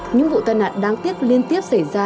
những vụ tai nạn đáng tiếc liên tiếp xảy ra